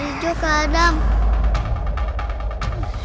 ada kolor hijau kadang